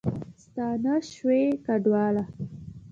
ستانه شوي کډوال